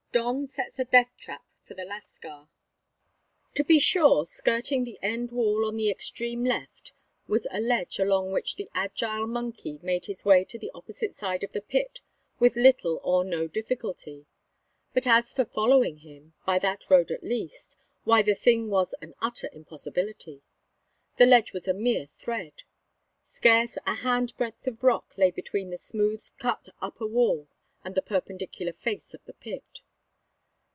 DON SETS A DEATH TRAP FOR THE LASCAR. To be sure, skirting the end wall on the extreme left was a ledge along which the agile monkey made his way to the opposite side of the pit with little or no difficulty; but, as for following him, by that road at least, why, the thing was an utter impossibility. The ledge was a mere thread. Scarce a handbreadth of rock lay between the smooth cut upper wall and the perpendicular face of the pit.